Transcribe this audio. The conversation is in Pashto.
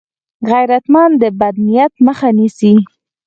غیرتمند د بد نیت مخه نیسي